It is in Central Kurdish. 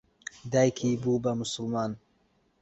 دایکی بوو بە موسڵمان.